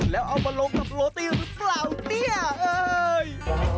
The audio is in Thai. แล้วเอามาลงกับโรตี้หรือเปล่าเนี่ยเอ่ย